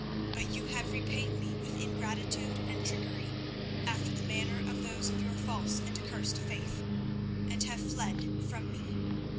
But you have repaid me with ingratitude and trickery, after the manner of those of your false and accursed faith, and have fled from me.